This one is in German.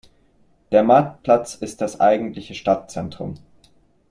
Der Marktplatz ist das eigentliche Stadtzentrum.